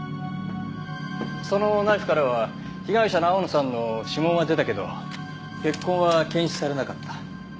そのナイフからは被害者の青野さんの指紋は出たけど血痕は検出されなかった。